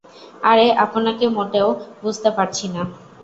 আরে, আপনাকে মোটেও বুঝতে পারছি না।